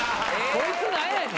こいつ何やねん。